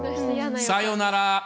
さよなら！